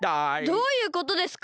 どういうことですか？